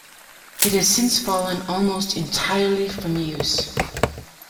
It has since fallen almost entirely from use.